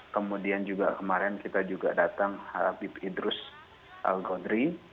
kemudian juga kemarin kita datang habib idrus al ghondri